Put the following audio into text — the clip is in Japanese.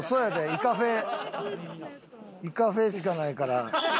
イカフェイカフェしかないから。